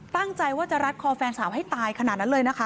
ตั้งใจว่าจะรัดคอแฟนสาวให้ตายขนาดนั้นเลยนะคะ